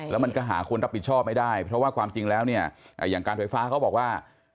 แล้วมันก็หาคนรับผิดชอบไม่ได้เพราะว่าความจริงแล้วเนี่ยอย่างการไฟฟ้าเขาบอกว่า